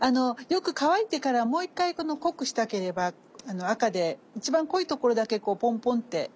よく乾いてからもう一回濃くしたければ赤で一番濃いところだけこうポンポンって。